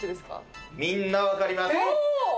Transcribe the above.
みんな分かりますおお！